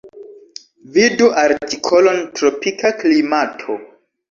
Vidu artikolon tropika klimato.